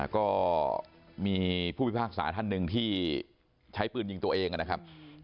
ก็มีผู้พิพากษาท่านหนึ่งที่ใช้ปืนยิงตัวเองนะครับ